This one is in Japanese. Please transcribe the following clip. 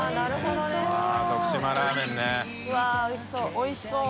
おいしそう。